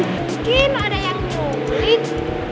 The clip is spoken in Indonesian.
mungkin ada yang culik